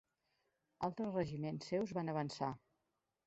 Altres regiments seus van avançar.